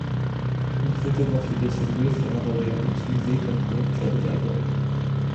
Une photographie de ces lieux sera d'ailleurs utilisée comme couverture de l'album.